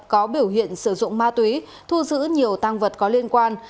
có biểu hiện sử dụng ma túy thu giữ nhiều tăng vật có liên quan